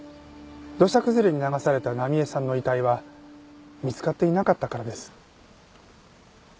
土砂崩れに流された奈美絵さんの遺体は見つかっていなかったからです。